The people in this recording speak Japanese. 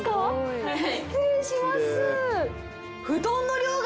失礼します。